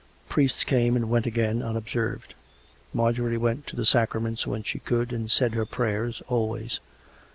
Priests came and went again unobserved; Marjorie went to the sacraments when she could, and said her prayers always.